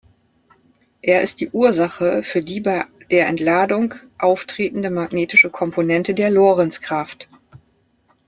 Er ist die Ursache für die bei der Entladung auftretende magnetische Komponente der Lorentzkraft.